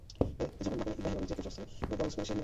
যেমন মাকামে ইবরাহীম এবং যে কেউ সেস্থানে প্রবেশ করে সে নিরাপদ।